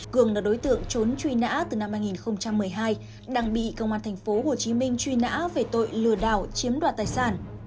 cường là đối tượng trốn truy nã từ năm hai nghìn một mươi hai đang bị công an thành phố hồ chí minh truy nã về tội lừa đảo chiếm đoạt tài sản